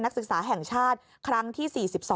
ศึกษาแห่งชาติครั้งที่๔๒